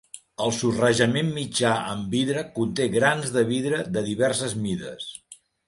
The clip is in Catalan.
El sorrejament mitjà amb vidre conté grans de vidre de diverses mides.